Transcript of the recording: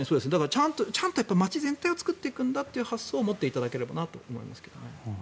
ちゃんと街全体を作るという発想を持っていただければなと思いますね。